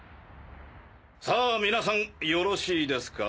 さあ皆さんよろしいですか？